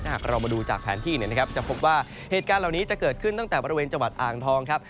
หากเรามาดูจากแผนที่เนี่ยนะครับจะพบว่าเหตุการณ์เหล่านี้จะเกิดขึ้นตั้งแต่บริเวณจังหวัดอ่างทองครับ